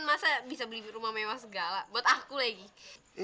masa bisa beli rumah mewah segala buat aku lagi